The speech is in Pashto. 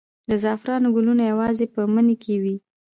د زعفرانو ګلونه یوازې په مني کې وي؟